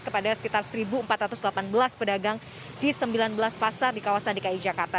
kepada sekitar satu empat ratus delapan belas pedagang di sembilan belas pasar di kawasan dki jakarta